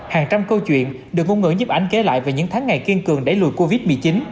hàng trăm câu chuyện được ngôn ngữ nhếp ảnh kể lại về những tháng ngày kiên cường đẩy lùi covid một mươi chín